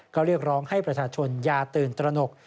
ก็เรียกร้องให้ประชาชนอย่าตื่นตระหนก